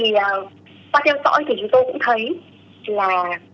qua theo dõi thì chúng tôi cũng thấy là